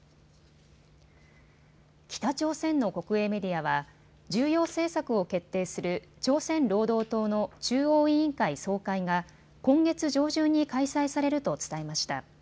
北朝鮮の国営メディアは重要政策を決定する朝鮮労働党の中央委員会総会が今月上旬に開催されると伝えました。